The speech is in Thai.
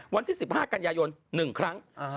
วันที่๑๕กันยายน๑ครั้ง